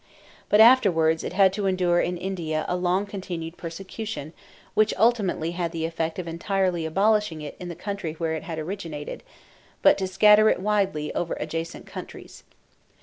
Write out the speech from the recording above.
But afterwards it had to endure in India a long continued persecution, which ultimately had the effect of entirely abolishing it in the country where it had originated, but to scatter it widely over adjacent countries.